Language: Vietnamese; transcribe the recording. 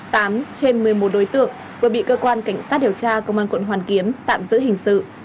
tám trên một mươi một đối tượng vừa bị cơ quan cảnh sát điều tra công an quận hoàn kiếm tạm giữ hình sự